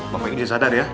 bapak ini sudah sadar ya